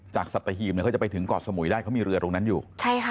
สัตหีบเขาจะไปถึงเกาะสมุยได้เขามีเรือตรงนั้นอยู่